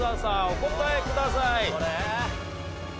お答えください。